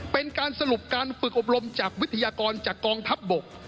เป็นการสรุปการฝึกอบรมจากวิทยากรจากกองทัพบก